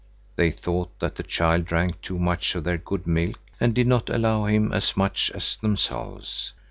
They thought that the child drank too much of their good milk and did not allow him as much as themselves.